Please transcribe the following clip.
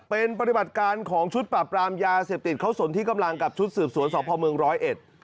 เป็นปฏิบัติการของชุดปราบรามยาเสพติดเขาสนที่กำลังกับชุดสืบสวนสพเมืองร้อยเอ็ด